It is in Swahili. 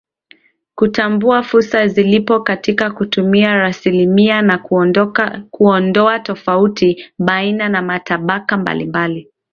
Kutambua fursa zilizopo katika kutumia raslimali na kuondoa tofauti baina ya matabaka mbalimbali